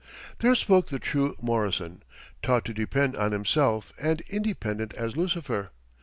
There spoke the true Morrison, taught to depend on himself, and independent as Lucifer.